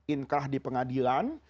inqrah di pengadilan